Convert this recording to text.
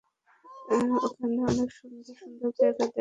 ওখানে অনেক সুন্দর সুন্দর জায়গা দেখতে পাবে।